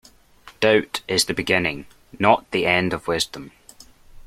Doubt is the beginning, not the end of wisdom